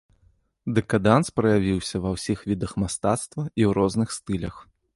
Дэкаданс праявіўся ва ўсіх відах мастацтва і ў розных стылях.